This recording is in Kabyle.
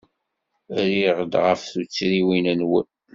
Rriɣ-d ɣef tuttriwin-nwen.